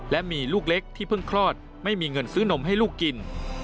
และมีลูกเล็กที่เพิ่งคลอดไม่มีเงินซื้อนมให้ลูกกิน